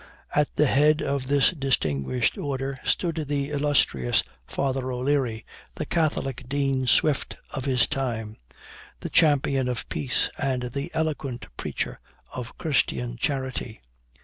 At the head of this distinguished order stood the illustrious Father O'Leary, the Catholic Dean Swift of his time, the champion of peace, and the eloquent preacher of Christian charity.